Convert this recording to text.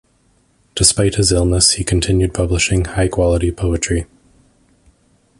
Despite his illness, he continued publishing high quality poetry.